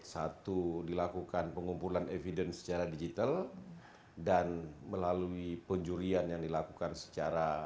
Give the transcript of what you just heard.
satu dilakukan pengumpulan evidence secara digital dan melalui penjurian yang dilakukan secara